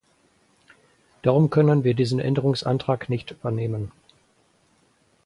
Darum können wir diesen Änderungsantrag nicht übernehmen.